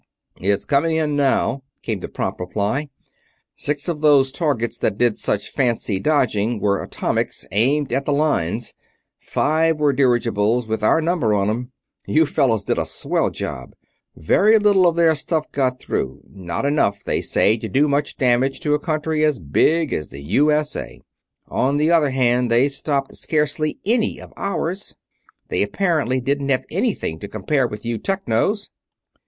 "It's coming in now," came the prompt reply. "Six of those targets that did such fancy dodging were atomics, aimed at the Lines. Five were dirigibles, with our number on 'em. You fellows did a swell job. Very little of their stuff got through not enough, they say, to do much damage to a country as big as the U.S.A. On the other hand, they stopped scarcely any of ours they apparently didn't have anything to compare with you Technos.